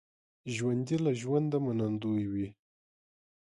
ژوندي له ژونده منندوی وي